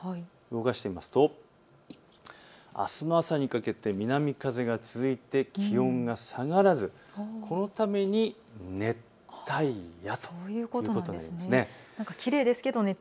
動かしてみますとあすの朝にかけて南風が続いて気温が下がらずこのために熱帯夜ということなんです。